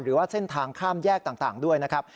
หรือว่าเส้นทางข้ามแยกต่างด้วยนะครับ